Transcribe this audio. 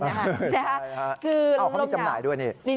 เขามีจำหน่ายด้วยนี่